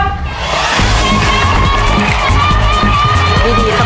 สมาธิดีลูก